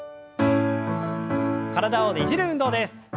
体をねじる運動です。